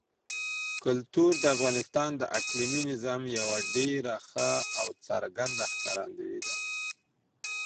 کلتور د افغانستان د اقلیمي نظام یوه ډېره ښه او څرګنده ښکارندوی ده.